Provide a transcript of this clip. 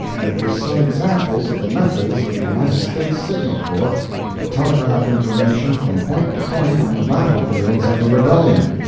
It was some examples of the methods the United States Signal Corps to telegraph information from point to point on the battle fields of the rebellion.